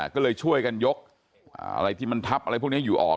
ก็เลยช่วยกันยกอะไรที่มันทับอะไรพวกนี้อยู่ออก